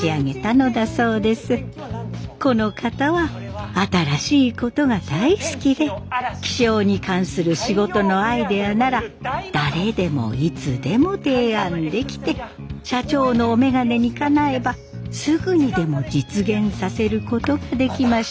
この方は新しいことが大好きで気象に関する仕事のアイデアなら誰でもいつでも提案できて社長のお眼鏡にかなえばすぐにでも実現させることができました。